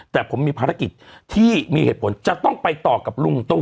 แต่ผมมีภารกิจที่มีเหตุผลจะต้องไปต่อกับลุงตู้